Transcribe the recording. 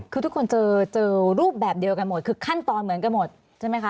คือทุกคนเจอรูปแบบเดียวกันหมดคือขั้นตอนเหมือนกันหมดใช่ไหมคะ